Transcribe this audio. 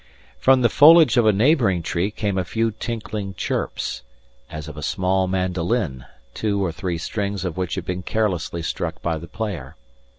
From the foliage of a neighbouring tree came a few tinkling chirps, as of a small mandolin, two or three strings of which had been carelessly struck by the player.